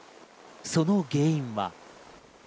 その原因は？